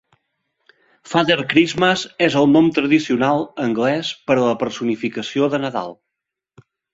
Father Christmas és el nom tradicional anglès per a la personificació de Nadal